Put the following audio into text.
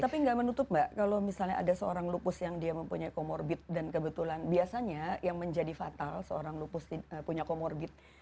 tapi nggak menutup mbak kalau misalnya ada seorang lupus yang dia mempunyai comorbid dan kebetulan biasanya yang menjadi fatal seorang lupus punya comorbid